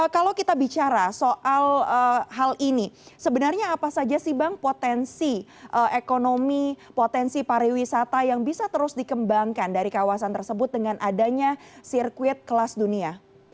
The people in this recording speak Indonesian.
kalau kita bicara soal hal ini sebenarnya apa saja sih bang potensi ekonomi potensi pariwisata yang bisa terus dikembangkan dari kawasan tersebut dengan adanya sirkuit kelas dunia